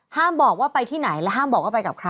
บอกว่าไปที่ไหนและห้ามบอกว่าไปกับใคร